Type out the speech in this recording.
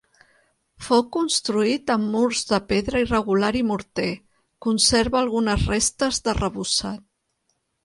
Fou construït amb murs de pedra irregular i morter, conserva algunes restes d'arrebossat.